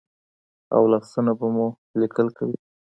او لاسونه به مو لیکل کوي.